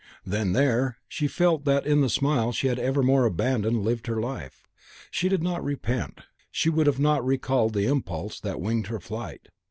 Then there she felt that in the smile she had evermore abandoned lived her life. She did not repent, she would not have recalled the impulse that winged her flight.